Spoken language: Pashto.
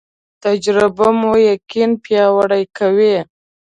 تجربه مو یقین پیاوړی کوي